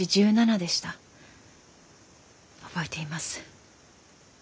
覚えています。